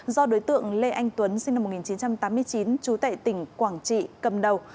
do đối tượng lê anh tuấn sinh năm một nghìn chín trăm tám mươi chín trú tại tỉnh quảng trị cầm đầu